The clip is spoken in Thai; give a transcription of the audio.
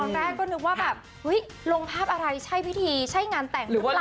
แรกก็นึกว่าแบบลงภาพอะไรใช่พิธีใช่งานแต่งหรือเปล่า